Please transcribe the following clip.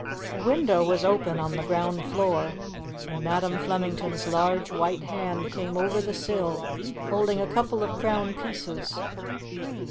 A window was open on the ground floor, and Madam Flemington's large white hand came over the sill holding a couple of crown pieces.